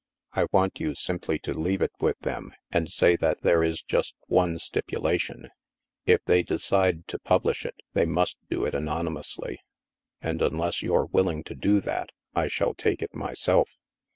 I want you simply to leave it with them and say that there is just one stipulation — if they decide to publish it, they must do it anonymously. And unless you are willing to do that, I shall take it myself."